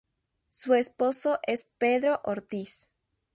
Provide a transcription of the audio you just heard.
Su esposo es Pedro Ortiz.